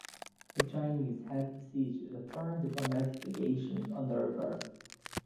The Chinese had besieged the foreign diplomatic legations on the river.